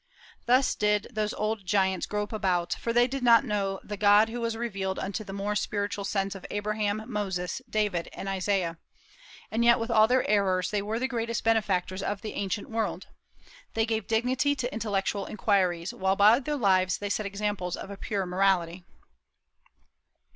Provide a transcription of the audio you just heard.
Thus did those old giants grope about, for they did not know the God who was revealed unto the more spiritual sense of Abraham, Moses, David, and Isaiah. And yet with all their errors they were the greatest benefactors of the ancient world. They gave dignity to intellectual inquiries, while by their lives they set examples of a pure morality.